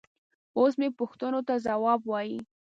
اوس مې پوښتنو ته ځواب وايي.